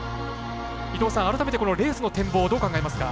伊藤さん、改めてこのレースの展望どう考えますか？